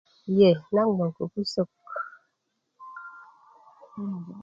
iye nan gboŋ ko pusok